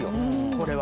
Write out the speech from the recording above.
これは。